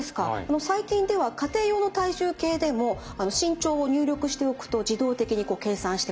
最近では家庭用の体重計でも身長を入力しておくと自動的に計算してくれるものもあります。